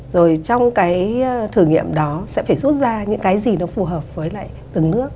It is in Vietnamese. rồi trong cái thử nghiệm đó sẽ phải rút ra những cái gì nó phù hợp với lại từng nước